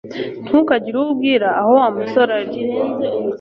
Ntukagire uwo ubwira aho Wa musore ari